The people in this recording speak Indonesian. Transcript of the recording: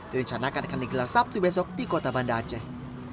direncanakan akan digelar sabtu besok di kota banda aceh